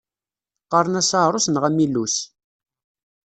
Qqaren-as aɛrus neɣ amillus.